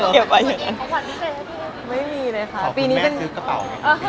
ขอบคุณแม่ซื้อกระเป๋านะ